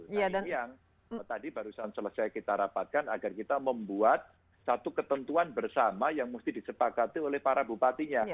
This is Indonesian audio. nah ini yang tadi barusan selesai kita rapatkan agar kita membuat satu ketentuan bersama yang mesti disepakati oleh para bupatinya